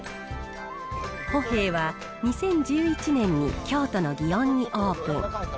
歩兵は２０１１年に京都の祇園にオープン。